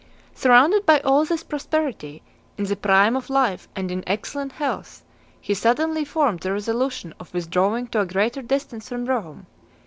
X. Surrounded by all this prosperity, in the prime of life and in excellent health, he suddenly formed the resolution of withdrawing to a greater distance from Rome .